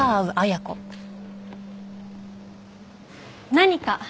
何か？